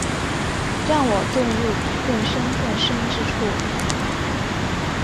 让我遁入比更深更深之处